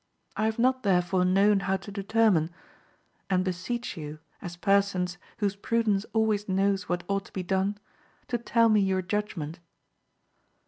I have not therefore known how to determine, and beseech you, as persons whose prudence always knows what ought to be done, to tell me your judgment.